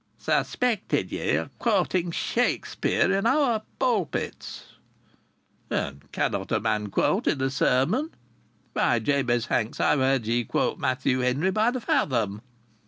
"Suspected ye o' quoting Shakspere in our pulpits." "And cannot a man quote in a sermon? Why, Jabez Hanks, I've heard ye quote Matthew Henry by the fathom."